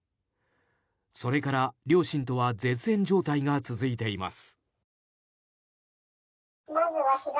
それから両親とは絶縁状態が続いています。